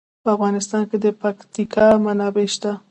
په افغانستان کې د پکتیکا منابع شته.